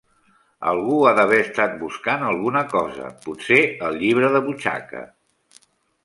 Algú ha d'haver estat buscant alguna cosa, potser el llibre de butxaca.